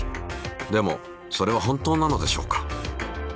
でもそれは本当なのでしょうか。